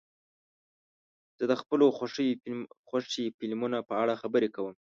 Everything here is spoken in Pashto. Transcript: زه د خپلو خوښې فلمونو په اړه خبرې کوم.